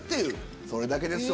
それだけですよ